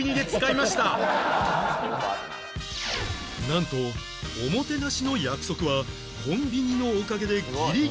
なんとおもてなしの約束はコンビニのおかげでギリギリ守られていた